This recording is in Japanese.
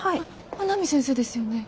阿南先生ですよね？